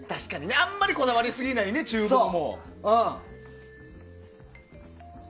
あまりこだわりすぎないで厨房も。